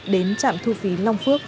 đến trạm thu phí long phước